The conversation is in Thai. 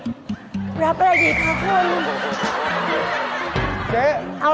ต้องลาเปล่าดีกับเค้า